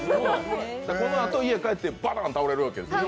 このあと家に帰ってバターン倒れるわけですね。